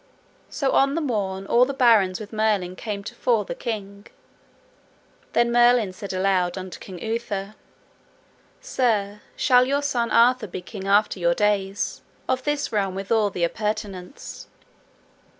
So on the morn all the barons with Merlin came to fore the king; then Merlin said aloud unto King Uther, Sir, shall your son Arthur be king after your days, of this realm with all the appurtenance?